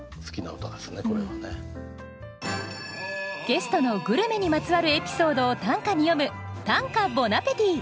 ゲストのグルメにまつわるエピソードを短歌に詠む「短歌ボナペティ」。